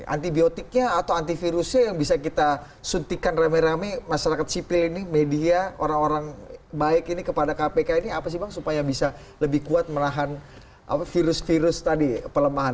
antibiotiknya atau antivirusnya yang bisa kita suntikan rame rame masyarakat sipil ini media orang orang baik ini kepada kpk ini apa sih bang supaya bisa lebih kuat menahan virus virus tadi pelemahan